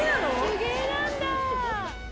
手芸なんだ。